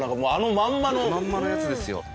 まんまのやつですよ。